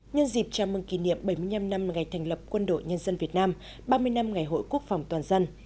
nhân dịp chào mừng kỷ niệm bảy mươi năm năm ngày thành lập quân đội nhân dân việt nam ba mươi năm ngày hội quốc phòng toàn dân